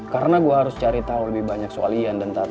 karena gue harus cari tau lebih banyak soal ian dan tata